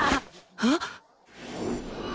あっ！？